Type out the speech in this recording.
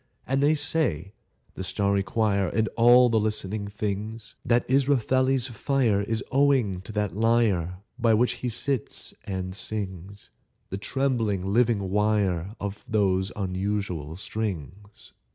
And they say (the starry choir And the other listening things) That Israfeli's fire Is owing to that lyre By which he sits and sings, The trembling living wire Of those unusual strings.